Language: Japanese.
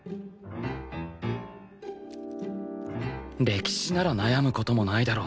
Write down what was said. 歴史なら悩む事もないだろ